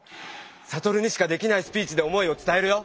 サトルにしかできないスピーチで思いを伝えるよ！